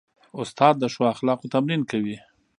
استاد د ښو اخلاقو تمرین کوي.